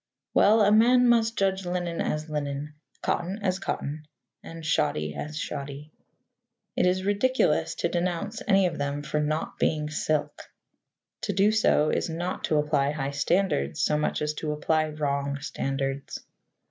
Well, a man must judge linen as linen, cotton as cotton, and shoddy as shoddy. It is ridiculous to denounce any of them for not being silk. To do so is not to apply high standards so much as to apply wrong standards.